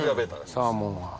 サーモン。